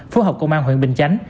phú hợp công an huyện bình chánh